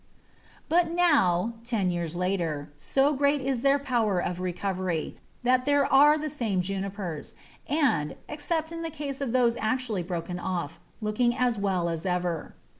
] But now, ten years later, so great is their power of recovery, that there are the same Junipers, and, except in the case of those actually broken off, looking as well as ever.